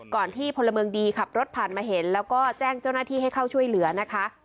ที่พลเมืองดีขับรถผ่านมาเห็นแล้วก็แจ้งเจ้าหน้าที่ให้เข้าช่วยเหลือนะคะ